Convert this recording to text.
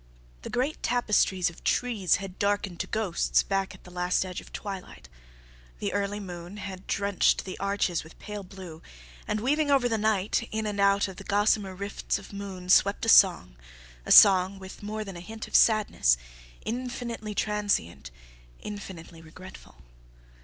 The great tapestries of trees had darkened to ghosts back at the last edge of twilight. The early moon had drenched the arches with pale blue, and, weaving over the night, in and out of the gossamer rifts of moon, swept a song, a song with more than a hint of sadness, infinitely transient, infinitely regretful.